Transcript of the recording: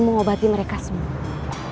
mengobati mereka semua